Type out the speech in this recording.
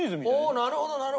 おおなるほどなるほど！